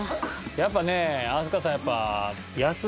やっぱね飛鳥さんやっぱ。